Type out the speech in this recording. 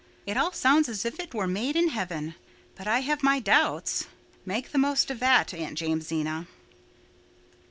It all sounds as if it were made in heaven, but I have my doubts. Make the most of that, Aunt Jamesina."